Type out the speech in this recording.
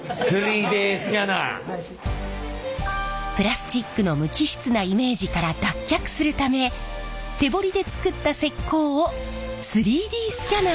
プラスチックの無機質なイメージから脱却するため手彫りで作った石こうを３Ｄスキャナーでデータ化！